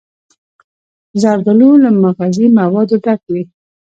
زردالو له مغذي موادو ډک وي.